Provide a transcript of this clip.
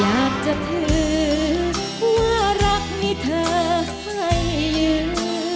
อยากจะถือว่ารักมีเธอให้ลืม